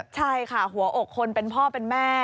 ใช่ค่ะหัวอกคนเป็นพ่อเป็นแม่